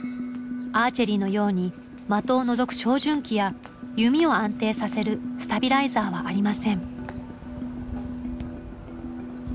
アーチェリーのように的をのぞく照準器や弓を安定させるスタビライザーはありません。